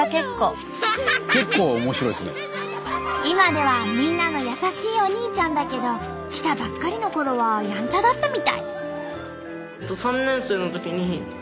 今ではみんなの優しいお兄ちゃんだけど来たばっかりのころはやんちゃだったみたい。